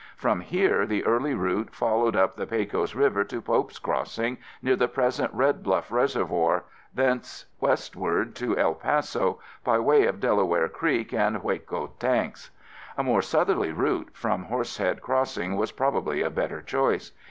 From here the early route followed up the Pecos River to Pope's Crossing near the present Red Bluff Reservoir, thence westward to El Paso, by way of Delaware Creek and the Hueco Tanks. A more southerly route from Horsehead Crossing was probably a better choice.